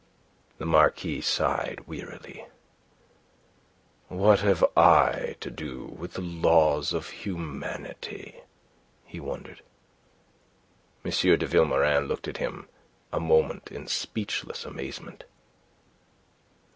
The Marquis sighed wearily. "What have I to do with the laws of humanity?" he wondered. M. de Vilmorin looked at him a moment in speechless amazement.